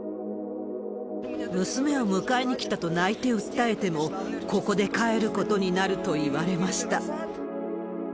娘を迎えに来たと泣いて訴えても、ここで帰ることになると言われました。